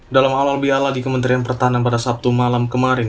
dalam halal biala di kementerian pertahanan pada sabtu malam kemarin